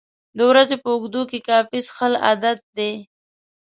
د ورځې په اوږدو کې کافي څښل عادت دی.